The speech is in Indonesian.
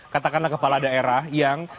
katakanlah kepala daerah yang